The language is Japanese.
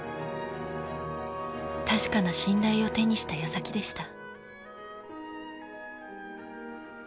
確かな信頼を手にしたやさきでした。